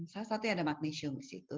salah satu yang ada magnesium di situ